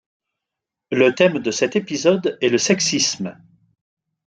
Le thème de cet épisode est le sexisme.